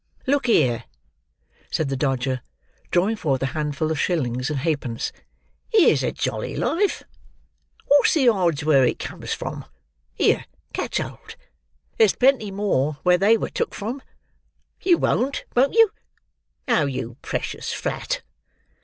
"Look here!" said the Dodger, drawing forth a handful of shillings and halfpence. "Here's a jolly life! What's the odds where it comes from? Here, catch hold; there's plenty more where they were took from. You won't, won't you? Oh, you precious flat!"